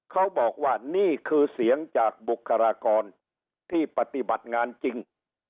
เขาบอกว่านี่คือเสียงจากบุคลากรที่ปฏิบัติงานจริง